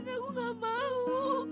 aku gak mau